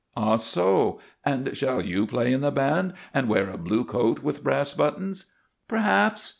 "Ah, so! And shall you play in the band and wear a blue coat with brass buttons?" "Perhaps.